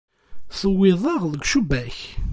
Tewwiḍ-aɣ deg ucebbak.